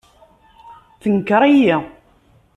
Tenker-iyi.